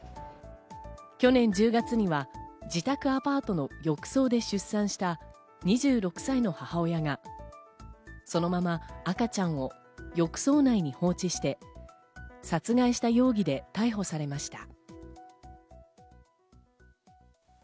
去年１０月には自宅アパートの浴槽で出産した２６歳の母親がそのまま赤ちゃんを浴槽内に放置して殺害した容疑で逮捕されました。